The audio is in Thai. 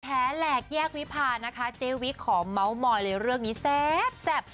แหลกแยกวิพานะคะเจวิขอเมาส์มอยเลยเรื่องนี้แซ่บ